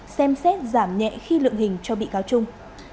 xem xét giảm nhẹ khi lượng hình cho bị cáo trung